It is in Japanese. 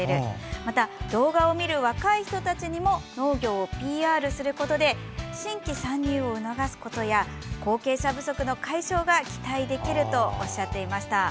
また、動画を見る若い人たちにも農業をＰＲすることで新規参入を促すことや後継者不足の解消が期待できるとおっしゃっていました。